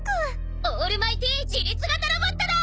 オールマイティー自律型ロボットだ！